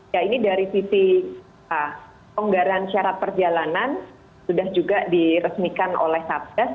ya ini dari sisi pelonggaran syarat perjalanan sudah juga diresmikan oleh satgas